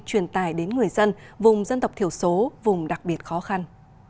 truyền tài đến người dân vùng dân tộc thiểu số vùng đặc biệt khó khăn